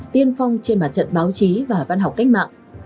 tiên phong trên mặt trận báo chí và văn học cách mạng